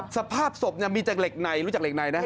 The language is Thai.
สภาพศพมีจากเหล็กในรู้จักเหล็กในนะ